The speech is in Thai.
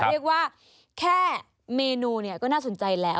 เรียกว่าแค่เมนูเนี่ยก็น่าสนใจแล้ว